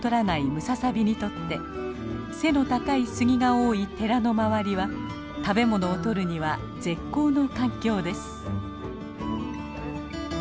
ムササビにとって背の高いスギが多い寺の周りは食べ物をとるには絶好の環境です。